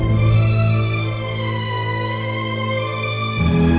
nanti gue jalan